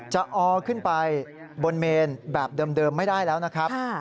ออขึ้นไปบนเมนแบบเดิมไม่ได้แล้วนะครับ